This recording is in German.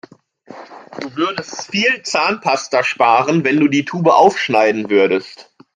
Du würdest viel Zahnpasta sparen, wenn du die Tube aufschneiden würdest.